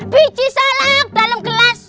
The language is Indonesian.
bici salak dalam kelas